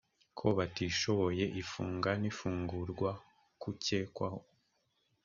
ku batishoboye ifunga n ifungura k ukekwaho